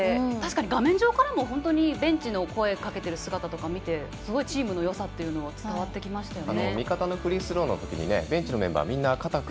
画面上からもベンチの声かけてる姿とか見てすごいチームのよさっていうのは伝わってきましたよね。